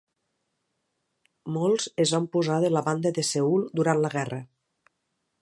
Molts es van posar de la banda de Seül durant la guerra.